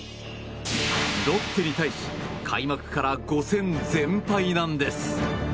ロッテに対し開幕から５戦全敗なんです。